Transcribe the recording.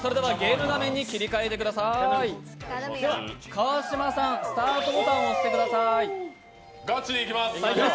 川島さん、スタートボタンを押してください。